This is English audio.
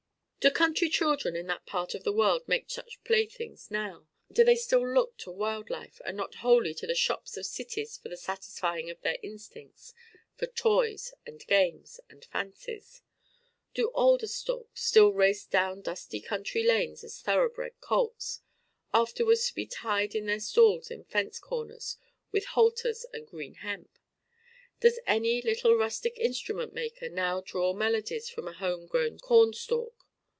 Do country children in that part of the world make such playthings now? Do they still look to wild life and not wholly to the shops of cities for the satisfying of their instincts for toys and games and fancies? Do alder stalks still race down dusty country lanes as thoroughbred colts, afterwards to be tied in their stalls in fence corners with halters of green hemp? Does any little rustic instrument maker now draw melodies from a homegrown corn stalk?